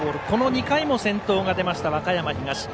この２回も先頭が出ました和歌山東。